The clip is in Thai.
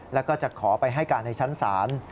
แล้วก็จะขอไปให้การในชั้นศาล